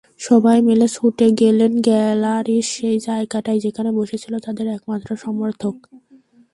সবাই মিলে ছুটে গেলেন গ্যালারির সেই জায়গাটায়, যেখানে বসেছিলেন তাদের একমাত্র সমর্থক।